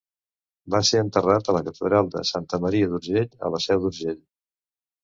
Va ser enterrat a la Catedral de Santa Maria d'Urgell a La Seu d'Urgell.